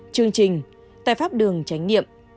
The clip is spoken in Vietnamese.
chương trình tại pháp đường tránh nghiệm